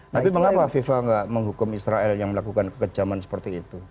tapi mengapa fifa tidak menghukum israel yang melakukan kekejaman seperti itu